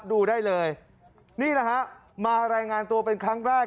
ดูได้เลยนี่แหละฮะมารายงานตัวเป็นครั้งแรก